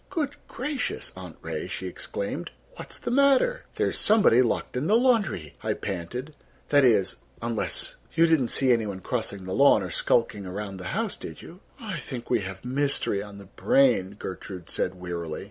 "Good gracious, Aunt Ray," she exclaimed, "what is the matter?" "There's somebody locked in the laundry," I panted. "That is—unless—you didn't see any one crossing the lawn or skulking around the house, did you?" "I think we have mystery on the brain," Gertrude said wearily.